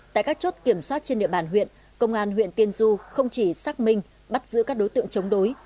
tại các chốt kiểm soát trên địa bàn huyện công an huyện tiên du không chỉ xác minh bắt giữ các đối tượng chống đối